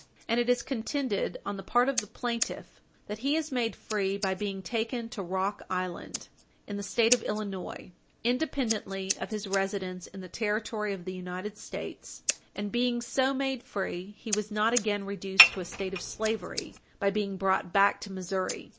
And it is contended, on the part of the plaintiff, that he is made free by being taken to Rock Island, in the State of Illinois, independently of his residence in the territory of the United States, and being so made free, he was not again reduced to a state of slavery by being brought back to Missouri.